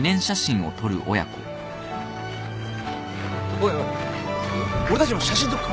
おいおい俺たちも写真撮るか。